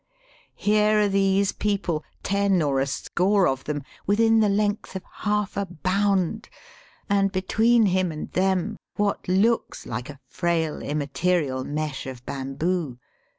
Here are these people, ten or a score of them, within the length of half a bound, and between him and them what looks hke a frail inmia terial mesh of bamboo.